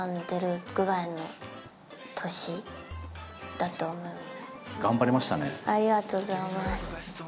だと思います。